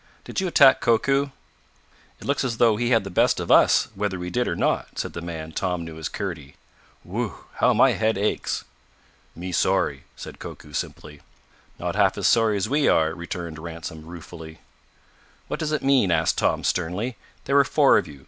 "Did you attack Koku?" "It looks as though he had the best of us, whether we did or not," said the man Tom knew as Kurdy. "Whew, how my head aches!" "Me sorry," said Koku simply. "Not half as sorry as we are," returned Ransom ruefully. "What does it mean?" asked Tom sternly. "There were four of you.